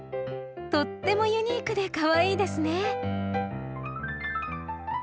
とってもユニークでかわいいですね。